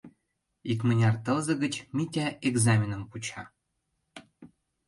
— Икмыняр тылзе гыч Митя экзаменым куча.